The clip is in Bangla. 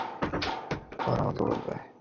এই, তুমি বলেছ আমার ভাই মেনে নেওয়ার পর আমাকে বলবে।